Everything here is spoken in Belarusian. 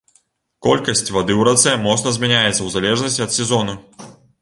Колькасць вады ў рацэ моцна змяняецца ў залежнасці ад сезону.